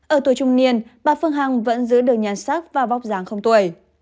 ở tuổi trung niên bà phương hằng vẫn giữ được nhan sắc và vóc dáng không tuổi